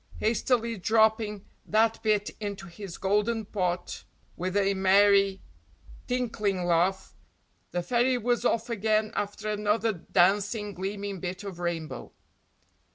Hastily dropping that bit into his golden pot with a merry, tinkling laugh, the fairy was off again after another dancing, gleaming bit of rainbow.